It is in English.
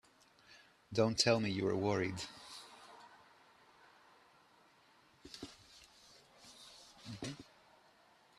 Don't tell me you were worried!